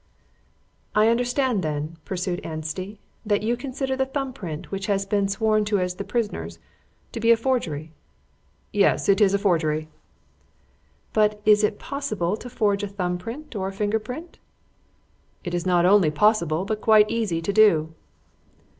"I understand, then," pursued Anstey, "that you consider the thumb print, which has been sworn to as the prisoner's, to be a forgery?" "Yes. It is a forgery." "But is it possible to forge a thumb print or a finger print?" "It is not only possible, but quite easy to do."